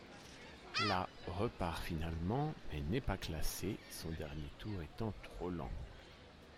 La repart finalement mais n'est pas classée, son dernier tour étant trop lent.